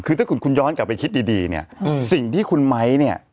คือถ้าคุณย้อนกลับไปคิดดีเนี่ยสิ่งที่คุณไม้เนี่ย